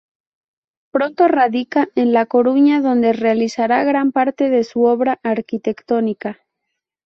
Pronto radica en La Coruña donde realizará gran parte de su obra arquitectónica.